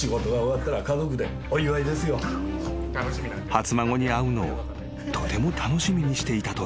［初孫に会うのをとても楽しみにしていたという］